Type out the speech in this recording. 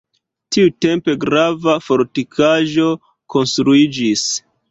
Tiutempe grava fortikaĵo konstruiĝis.